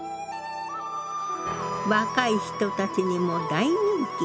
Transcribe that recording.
若い人たちにも大人気。